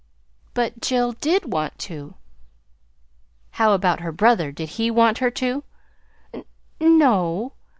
"But Jill did want to." "How about her brother did he want her to?" "N no."